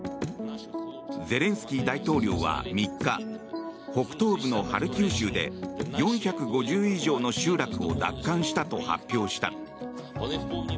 ゼレンスキー大統領は３日北東部のハルキウ州で４５０以上の集落を奪還したと発表した。